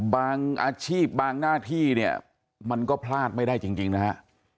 อาชีพบางหน้าที่เนี่ยมันก็พลาดไม่ได้จริงนะฮะ